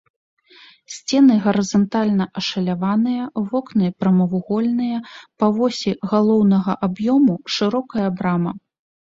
Сцены гарызантальна ашаляваныя, вокны прамавугольныя, па восі галоўнага аб'ёму шырокая брама.